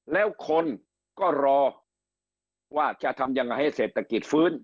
แล้วคนก็รอว่าจะทำยังไงให้เศรษฐกิจฟื้น